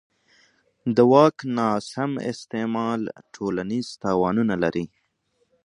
د واک ناسم استعمال ټولنیز تاوانونه لري